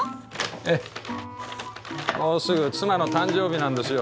ええもうすぐ妻の誕生日なんですよ。